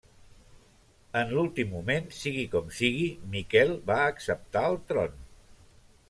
En l'últim moment, sigui com sigui, Miquel va acceptar el tron.